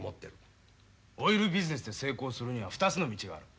オイルビジネスで成功するには２つの道がある。